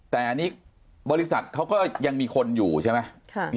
แต่อันนี้บริษัทเขาก็ยังมีคนอยู่ใช่ไหม